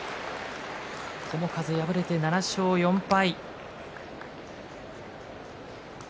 友風、敗れて７勝４敗。